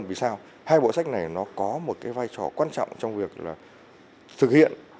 tại sao hai bộ sách này nó có một vai trò quan trọng trong việc là thực hiện